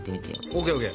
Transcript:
ＯＫＯＫ。